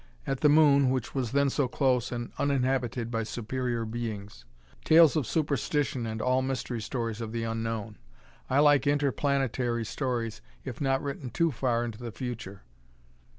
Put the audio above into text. At the moon, which was then so close, and uninhabited by superior beings. Tales of superstition and all mystery stories of the unknown. I like interplanetary stories, if not written too far into the future.